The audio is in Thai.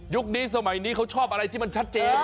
นี้สมัยนี้เขาชอบอะไรที่มันชัดเจน